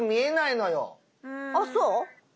あそう？